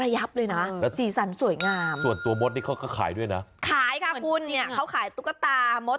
หายก่อนตลอด